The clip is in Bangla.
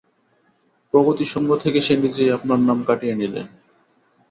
প্রগতিসংঘ থেকে সে নিজেই আপনার নাম কাটিয়ে নিলে।